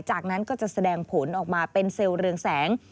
จากนั้นก็จะแสดงผลออกมาเป็นเซลล์เรืองแสง